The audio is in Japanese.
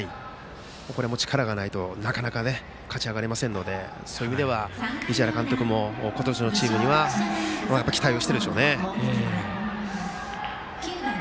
力がないと、なかなか勝ち上がれませんのでそういう意味では市原監督も今年のチームには期待をしてるでしょうね。